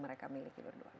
mereka miliki berdua